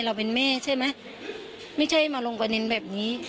เราเป็นแม่ใช่ไหมไม่ใช่มาลงประเด็นแบบนี้